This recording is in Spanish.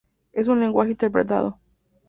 Es un lenguaje interpretado.